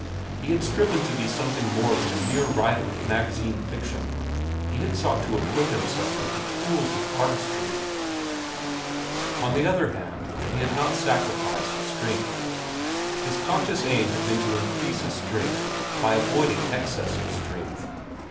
He had striven to be something more than a mere writer of magazine fiction. He had sought to equip himself with the tools of artistry. On the other hand, he had not sacrificed strength. His conscious aim had been to increase his strength by avoiding excess of strength.